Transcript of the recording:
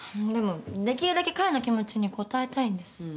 でもできるだけ彼の気持ちに応えたいんです。